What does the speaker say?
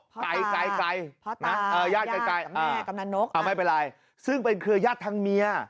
พ่อตาพ่อตาญาติกับแม่กำนันนกไม่เป็นไรซึ่งเป็นคือญาติทางเมีย